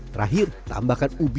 terakhir tambahkan ubi